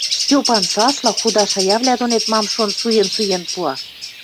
Стьопан сасла, худа шаявлӓ донет мам-шон суен-суен пуа.